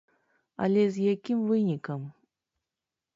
Але з якім вынікам!